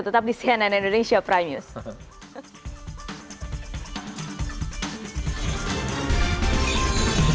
tetapi kita harus mengingatkan bahwa kita harus mengingatkan kesadaran palsu